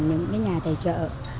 những cái nhà tài trợ